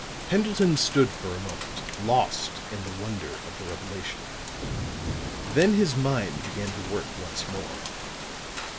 Pendleton stood for a moment, lost in the wonder of the revelation; then his mind began to work once more.